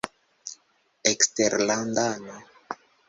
eksterlandano